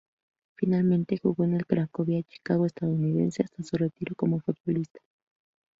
Finalmente jugó en el Cracovia Chicago estadounidense hasta su retiro como futbolista.